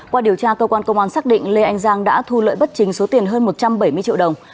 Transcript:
qua điều tra cơ quan công an xác định lê anh giang đã thu lợi bất chính số tiền hơn một trăm bảy mươi triệu đồng